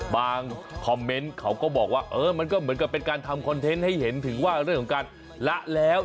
คอมเมนต์เขาก็บอกว่าเออมันก็เหมือนกับเป็นการทำคอนเทนต์ให้เห็นถึงว่าเรื่องของการละแล้ว